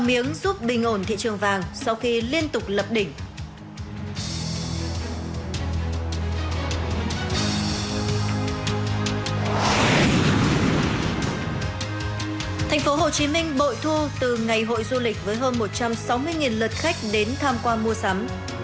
thành phố hồ chí minh bội thu từ ngày hội du lịch với hơn một trăm sáu mươi lượt khách đến tham quan mua sắm